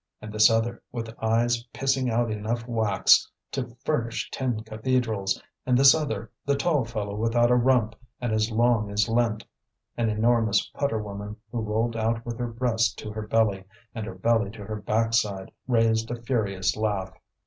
and this other, with eyes pissing out enough wax to furnish ten cathedrals! and this other, the tall fellow without a rump and as long as Lent! An enormous putter woman, who rolled out with her breast to her belly and her belly to her backside, raised a furious laugh.